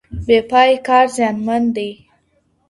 بې پای کار زیانمن دی.